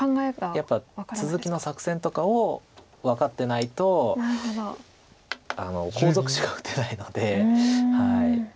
やっぱ続きの作戦とかを分かってないと後続手が打てないので。